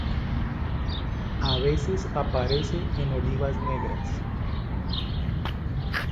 A veces aparece en olivas negras.